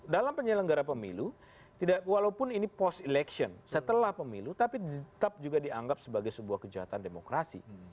dalam penyelenggara pemilu walaupun ini post election setelah pemilu tapi tetap juga dianggap sebagai sebuah kejahatan demokrasi